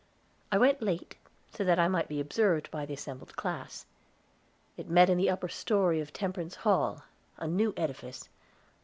I went late, so that I might be observed by the assembled class. It met in the upper story of Temperance Hall a new edifice.